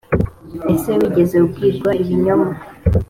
ese wigeze ubwirwa ibinyoma